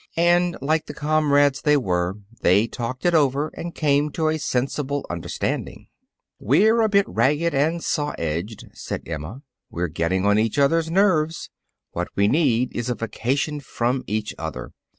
And like the comrades they were, they talked it over and came to a sensible understanding. "We're a bit ragged and saw edged," said Emma. "We're getting on each other's nerves. What we need is a vacation from each other.